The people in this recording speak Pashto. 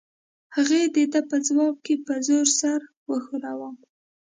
هغې د ده په ځواب کې په زور سر وښوراوه.